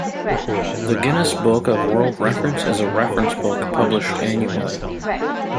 The Guinness Book of World Records is a reference book published annually.